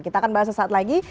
kita akan bahas sesaat lagi